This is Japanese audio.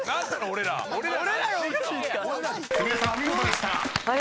お見事でした］